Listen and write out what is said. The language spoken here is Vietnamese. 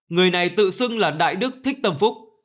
người này tự xưng là đại đức thích tâm phúc